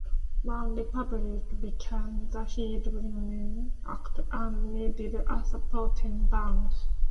OneRepublic became the headlining act and needed a supporting band.